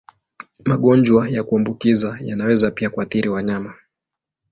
Magonjwa ya kuambukiza yanaweza pia kuathiri wanyama.